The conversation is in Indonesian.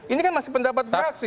ini kan masih pendapat fraksi